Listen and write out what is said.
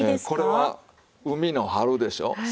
これは海の春でしょう。